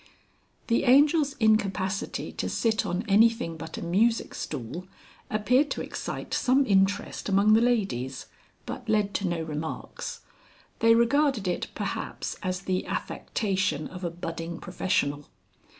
The Angel's incapacity to sit on anything but a music stool appeared to excite some interest among the ladies, but led to no remarks. They regarded it perhaps as the affectation of a budding professional.